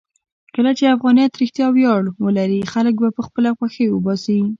کله چې افغانیت رښتیا ویاړ ولري، خلک به خپله خوښۍ وباسي.